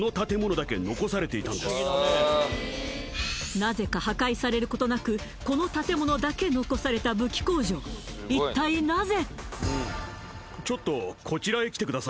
なぜか破壊されることなくこの建物だけ残された武器工場一体なぜ？